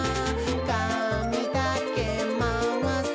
「かみだけまわす」